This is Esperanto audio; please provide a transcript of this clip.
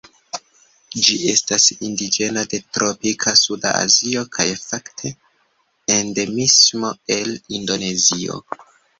Ĝi estas indiĝena de tropika suda Azio, kaj fakte endemismo el Indonezio.